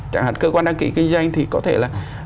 chẳng hạn cơ quan đăng ký kinh doanh thì có thể là